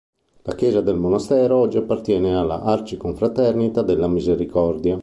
La chiesa del monastero oggi appartiene alla Arciconfraternita della Misericordia.